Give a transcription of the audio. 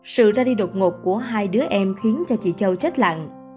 sự ra đi độc ngột của hai đứa em khiến cho chị châu trách lặng